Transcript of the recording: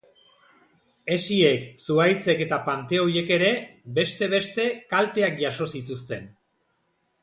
Hesiek, zuhaitzek eta panteoiek ere, beste beste, kalteak jaso zituzten.